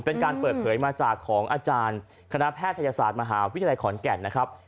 เป็นการเปิดเผยมาจากของอาจารย์คณะแพทยศาสตร์มหาวิทยาลัยขอนแก่นนะครับ